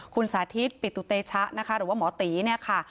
คุณสาธิตปิตุเตชะนะคะหรือว่าหมอตีเนี่ยค่ะ